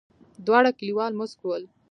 دواړه کليوال موسک ول.